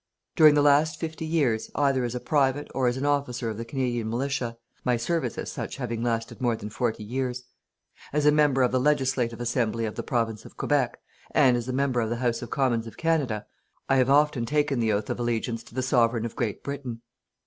"During the last fifty years, either as a private or as an officer of the Canadian Militia my service as such having lasted more than forty years as a member of the Legislative Assembly of the Province of Quebec, and as a member of the House of Commons of Canada, I have often taken the oath of allegiance to the Sovereign of Great Britain.